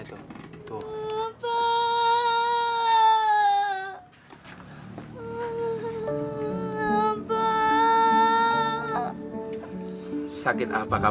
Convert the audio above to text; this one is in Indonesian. om om lapar ya